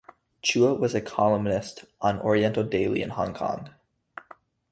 Chua was a columnist on "Oriental Daily" in Hong Kong.